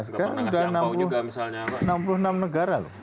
sekarang sudah enam puluh enam negara loh